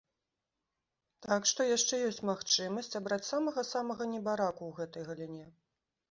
Так што яшчэ ёсць магчымасць абраць самага-самага небараку ў гэтай галіне.